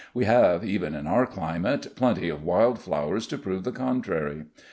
We have (even in our climate) plenty of wild flowers to prove the contrary.